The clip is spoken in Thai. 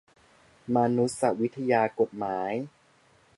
มานุษยวิทยากฎหมาย